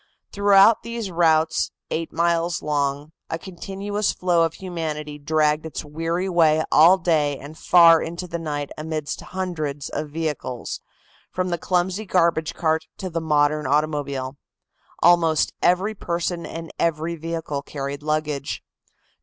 Throughout these routes, eight miles long, a continuous flow of humanity dragged its weary way all day and far into the night amidst hundreds of vehicles, from the clumsy garbage cart to the modern automobile. Almost every person and every vehicle carried luggage.